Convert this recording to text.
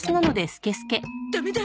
ダメだ！